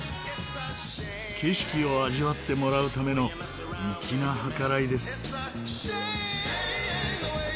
景色を味わってもらうための粋な計らいです。